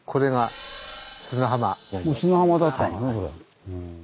砂浜だったんだねこれ。